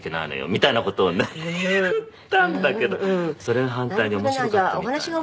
みたいな事をね言ったんだけどそれが反対に面白かったみたいなの。